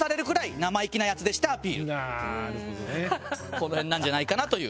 この辺なんじゃないかなという。